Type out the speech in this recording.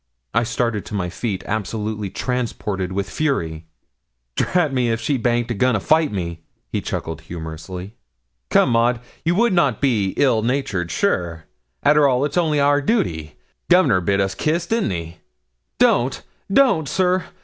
I started to my feet, absolutely transported with fury. 'Drat me, if she baint a going to fight me!' he chuckled humorously. 'Come, Maud, you would not be ill natured, sure? Arter all, it's only our duty. Governor bid us kiss, didn't he?' 'Don't don't, sir.